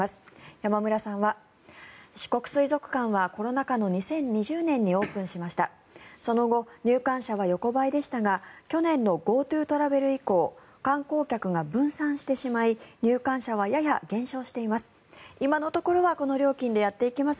山村さんは、四国水族館はコロナ禍の２０２０年にオープンしましたその後、入館者は横ばいでしたが去年のＧｏＴｏトラベル以降観光客が分散してしまい入館者はやや減少しています